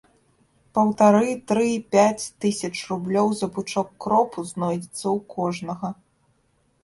Паўтары-тры-пяць тысяч рублёў за пучок кропу знойдзецца ў кожнага.